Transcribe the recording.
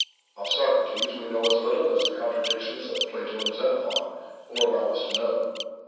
Of Socrates we know as little as the contradictions of Plato and Xenophon will allow us to know.